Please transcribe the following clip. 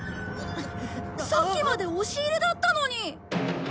さっきまで押し入れだったのに！